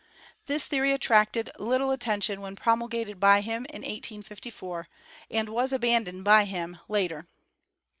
This theory attracted little attention when promulgated by him in 1854, and was abandoned by him later.